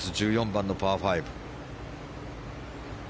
１４番のパー５。